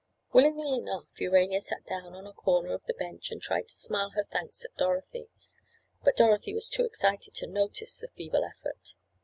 Willingly enough Urania sank down on a corner of the bench, and tried to smile her thanks at Dorothy. But Dorothy was too excited to notice the feeble effort.